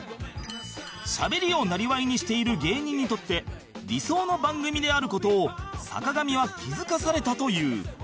しゃべりをなりわいにしている芸人にとって理想の番組である事を坂上は気付かされたという